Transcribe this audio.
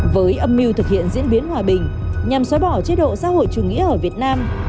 với âm mưu thực hiện diễn biến hòa bình nhằm xóa bỏ chế độ xã hội chủ nghĩa ở việt nam